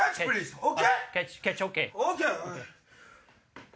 ＯＫ？